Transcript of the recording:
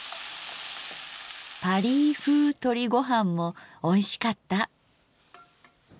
パリーふうとりごはんもおいしかった。